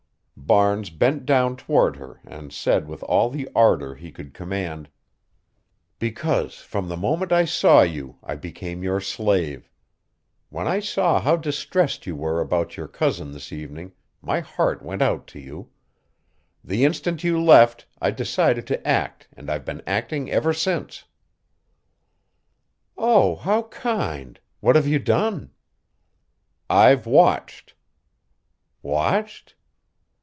Barnes bent down toward her and said with all the ardor he could command: "Because from the moment I saw you I became your slave. When I saw how distressed you were about your cousin this evening my heart went out to you the instant you left I decided to act and I've been acting ever since." "Oh, how kind what have you done?" "I've watched." "Watched?"